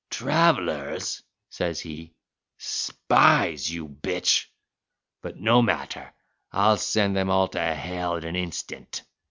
"Travellers," says he, "spies, you b—ch! But no matter; I'll send them all to hell in an instant!"